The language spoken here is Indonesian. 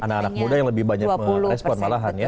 anak anak muda yang lebih banyak merespon malahan ya